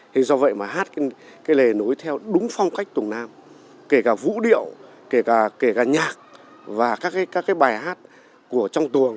hình do vậy mà hát cái lời nối theo đúng phong cách tuồng nam kể cả vũ điệu kể cả nhạc và các bài hát của trong tuồng